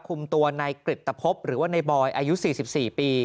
คุมตัวนายกริตตะพบหรือว่าในบอยอายุ๔๔ปี